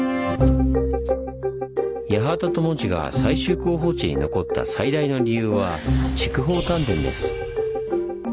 八幡と門司が最終候補地に残った最大の理由は筑豊炭田です。